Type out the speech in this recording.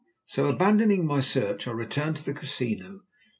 So abandoning my search, I returned to the Casino.